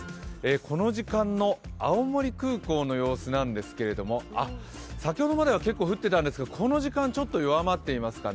この時間の青森空港の様子なんですけど先ほどまでは結構、降ってたんですがこの時間ちょっと弱まっていますかね。